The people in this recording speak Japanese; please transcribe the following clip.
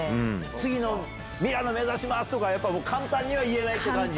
次のミラノ目指しますとか、やっぱ、簡単には言えないって感じ？